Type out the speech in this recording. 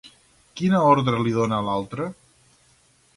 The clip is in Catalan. Quina ordre li dona, a l'altre?